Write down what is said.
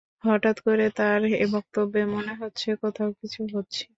হঠাৎ করে তাঁর এ বক্তব্যে মনে হচ্ছে, কোথাও কিছু হচ্ছে।